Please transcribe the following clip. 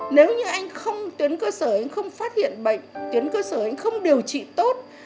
nếu như anh không tuyến cơ sở anh không phát hiện bệnh tuyến cơ sở anh không điều trị tốt